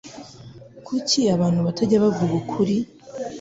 Kuki abantu batajya bavuga ukuri?